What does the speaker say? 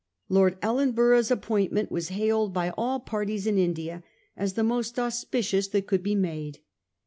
Lord Ellenborough's appointment was hail ed by all parties in India as the most auspicious that could be made.